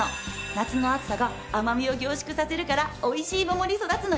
夏の暑さが甘みを凝縮させるからおいしい桃に育つのよ。